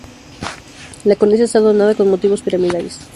La cornisa está adornada con motivos piramidales.